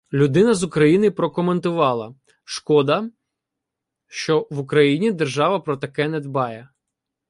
Людина з України прокоментувала: «Шкода, що в Україні держава про таке не дбає»